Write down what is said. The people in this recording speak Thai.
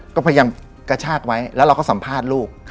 ก็พยายามกระชากไว้แล้วเราก็สัมภาษณ์ลูก